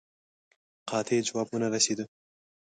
قاطع جواب ونه رسېدی.